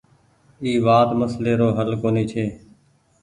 اي وآت مسلي رو هل ڪونيٚ ڇي۔